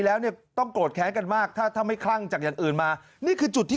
แล้วต้องโกรธแข้งกันมากถ้าไม่คลั่งจากอื่นมานี่คือจุดที่